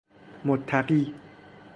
متقی